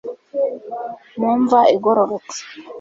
mu mva igororotse